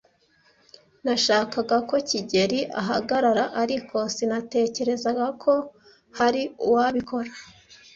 Nashakaga ko kigeli ahagarara, ariko sinatekerezaga ko hari uwabikora.